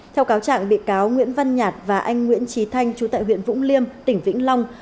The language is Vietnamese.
theo cáo trạng bị cáo nguyễn văn nhạt và anh nguyễn trí thanh chú tại huyện vũng liêm tỉnh vĩnh long